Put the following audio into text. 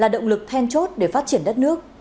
để phát triển đất nước